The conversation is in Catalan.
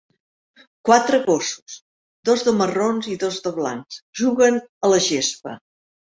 Quatre gossos, dos de marrons i dos de blancs, juguen a la gespa.